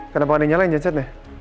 kenapa gak dinyala yang janset